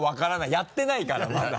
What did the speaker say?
やってないからまだ。